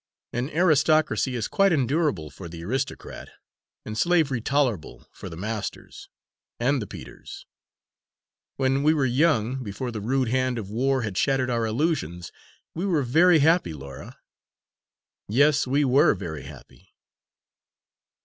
An aristocracy is quite endurable, for the aristocrat, and slavery tolerable, for the masters and the Peters. When we were young, before the rude hand of war had shattered our illusions, we were very happy, Laura." "Yes, we were very happy."